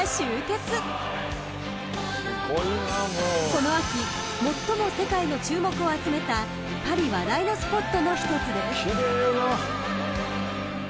［この秋最も世界の注目を集めたパリ話題のスポットの一つです］